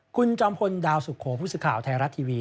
คุณจอมพลดาวสุโขผู้สื่อข่าวไทยรัฐทีวี